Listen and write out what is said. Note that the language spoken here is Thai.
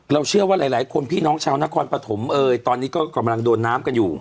เชื่อว่าหลายคนพี่น้องชาวนครปฐมเอยตอนนี้ก็กำลังโดนน้ำกันอยู่